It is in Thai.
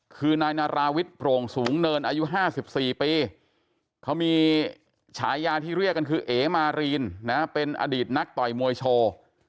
คือนายนาราวิทย์โปร่งสูงเนินอายุ๕๔ปีเขามีฉายาที่เรียกกันคือเอ๋มารีนนะเป็นอดีตนักต่อยมวยโชว์